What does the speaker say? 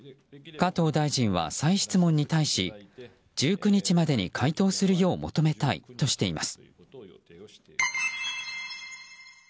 加藤大臣は再質問に対し１９日までに回答するよう求めたいとしています。